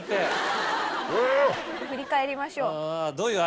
振り返りましょう。